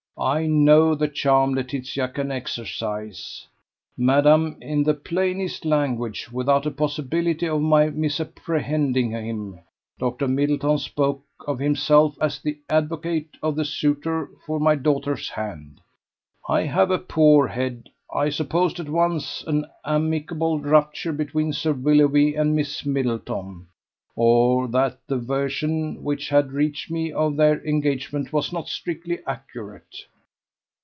I know the charm Laetitia can exercise. Madam, in the plainest language, without a possibility of my misapprehending him, Dr. Middleton spoke of himself as the advocate of the suitor for my daughter's hand. I have a poor head. I supposed at once an amicable rupture between Sir Willoughby and Miss Middleton, or that the version which had reached me of their engagement was not strictly accurate.